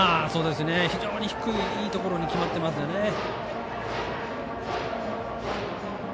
非常に低い、いいところに決まっていますよね。